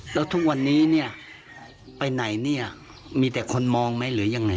แล้วทุกวันนี้เนี่ยไปไหนเนี่ยมีแต่คนมองไหมหรือยังไง